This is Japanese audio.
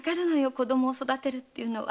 子供を育てるっていうのは。